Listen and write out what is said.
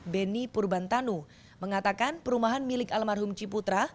beni purbantanu mengatakan perumahan milik almarhum ciputra